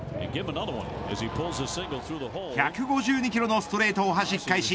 １５２キロのストレートをはじき返し